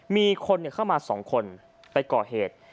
มีคนเข้ามา๒คนไปก่อเหตุ